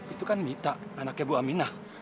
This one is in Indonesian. itu kan mita anaknya ibu aminah